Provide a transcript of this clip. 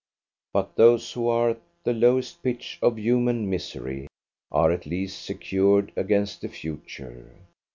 But those who are at the lowest pitch of human misery are at least secured against the future.